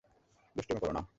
দুষ্টুমি করো না।